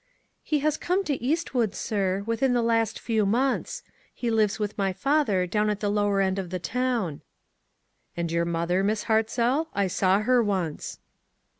"He has come to Eastwood, sir, within the last few months ; he lives with my father, down at the • lower end of the town." 44 And your mother, Miss Hartzell? I saw her once."